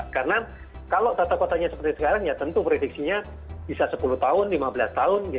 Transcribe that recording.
karena kalau tata kotanya seperti sekarang ya tentu prediksinya bisa sepuluh tahun lima belas tahun